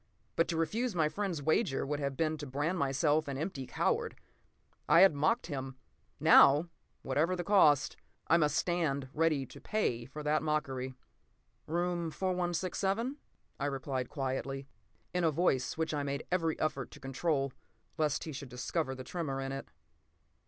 But to refuse my friend's wager would have been to brand myself an empty coward. I had mocked him. Now, whatever the cost, I must stand ready to pay for that mockery. "Room 4167?" I replied quietly, in a voice which I made every effort to control, lest he should discover the tremor in it.